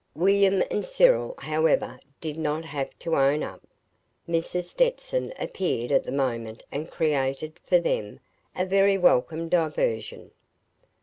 William and Cyril, however, did not have to "own up." Mrs. Stetson appeared at the moment and created, for them, a very welcome diversion.